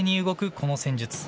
この戦術。